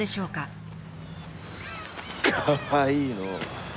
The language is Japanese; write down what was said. かわいいのう。